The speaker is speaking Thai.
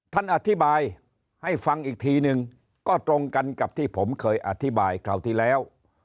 ท่านอธิบายให้ฟังอีกทีนึงก็ตรงกันกับที่ผมเคยอธิบายคราวที่แล้ว